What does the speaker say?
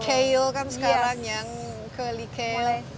kale kan sekarang yang curly kale